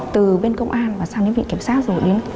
từ bên công an và sang đến vị kiểm soát rồi